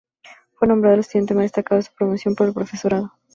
Fue nombrado el estudiante más destacado de su promoción por el profesorado.